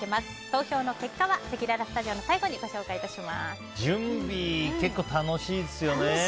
投票の結果はせきららスタジオの最後に準備、結構楽しいですよね。